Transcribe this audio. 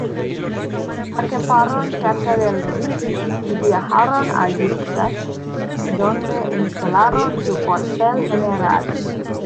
Acamparon cerca del Rin y viajaron a Utrecht, donde instalaron su cuartel general.